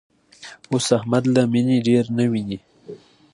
اوس احمد له مینې ډېر نه ویني.